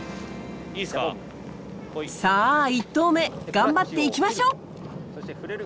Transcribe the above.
さあ１投目頑張っていきましょう！